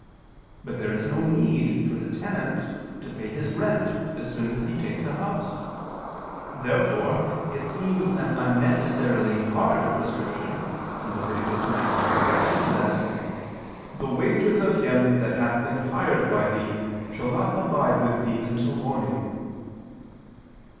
But there is no need for the tenant to pay his rent as soon as he takes a house. Therefore it seems an unnecessarily hard prescription (Lev. 19:13) that "the wages of him that hath been hired by thee shall not abide with thee until morning."